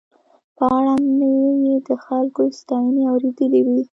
په اړه مې یې د خلکو ستاينې اورېدلې وې.